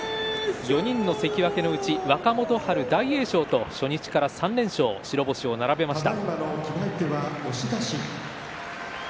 ４人の関脇のうち若元春、大栄翔と初日から３連勝白星を並べました。